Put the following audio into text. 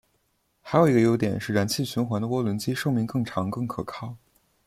还有一个优点是燃气循环的涡轮机寿命更长更可靠。